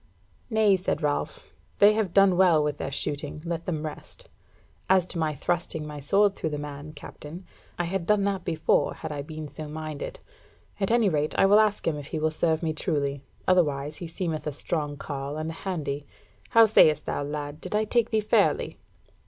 "Nay," said Ralph, "they have done well with their shooting, let them rest. As to my thrusting my sword through the man, Captain, I had done that before, had I been so minded. At any rate, I will ask him if he will serve me truly. Otherwise he seemeth a strong carle and a handy. How sayest thou, lad, did I take thee fairly?"